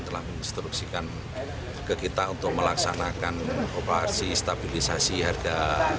telah menginstruksikan ke kita untuk melaksanakan operasi stabilisasi harga